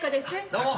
どうも。